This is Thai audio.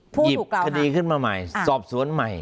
พูดถูกเราหาหยิบคดีขึ้นมาใหม่สอบสวนใหม่